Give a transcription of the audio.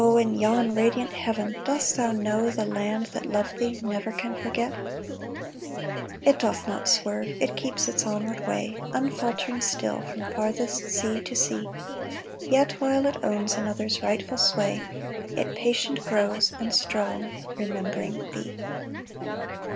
in yon radiant heaven dost thou know The land that loved thee never can forget ? MARCH FOURTH 349 It doth not swerve— it keeps its onward way, Unfaltering still, from farthest sea to sea ; Yet, while it owns another's rightful sway, It patient grows and strong, remembering thee